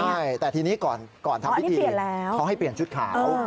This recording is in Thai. ใช่แต่ทีนี้ก่อนทำพิธีเขาให้เปลี่ยนชุดขาว